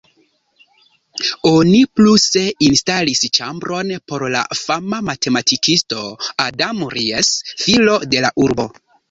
Oni pluse instalis ĉambron por la fama matematikisto Adam Ries, filo de la urbo.